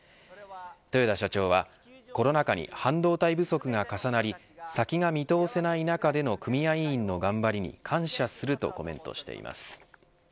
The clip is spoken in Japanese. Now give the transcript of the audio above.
豊田社長はコロナ禍に半導体不足が重なり先が見通せない中での組合員の頑張りに感謝するとコメントしています。